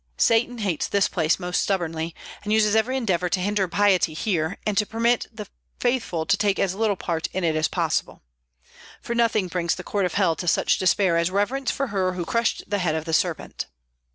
Satan hates this place most stubbornly, and uses every endeavor to hinder piety here and to permit the faithful to take as little part in it as possible, for nothing brings the court of hell to such despair as reverence for Her who crushed the head of the serpent.